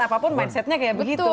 apapun mindsetnya kayak begitu